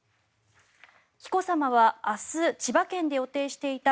紀子さまは明日千葉県で予定していた